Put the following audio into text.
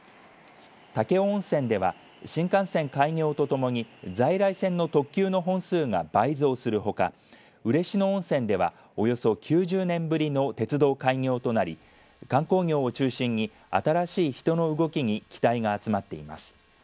武雄温泉では新幹線開業とともに在来線の特急の本数が倍増するほか嬉野温泉ではおよそ９０年ぶりの鉄道開業となり観光業を中心に新しい人の動きに期待が集まっています。